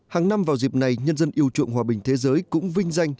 hàng năm vào dịp này nhân dân yêu chuộng hòa bình thế giới cũng vinh danh